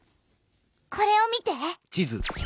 これを見て！